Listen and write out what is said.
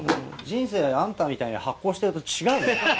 人生あんたみたいに発酵してると違うね。